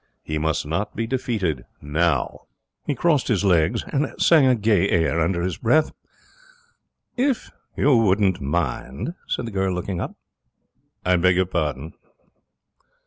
He must not be defeated now. He crossed his legs and sang a gay air under his breath. 'If you wouldn't mind,' said the girl, looking up. 'I beg your pardon?'